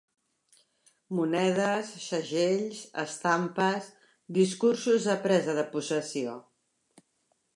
Monedes, segells, estampes, discursos de presa de possessió...